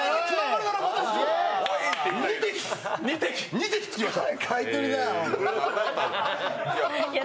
２滴つきました。